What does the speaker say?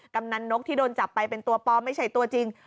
กำนันนกที่โดนจับไปเป็นตัวปลอมไม่ใช่ตัวจริง